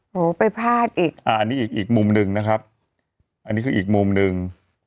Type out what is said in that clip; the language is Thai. โหไปพลาดอีกอันนี้อีกอีกมุมหนึ่งนะครับอันนี้คืออีกมุมหนึ่ง